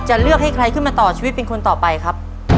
เลือกให้ใครขึ้นมาต่อชีวิตเป็นคนต่อไปครับ